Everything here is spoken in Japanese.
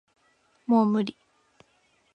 もう無理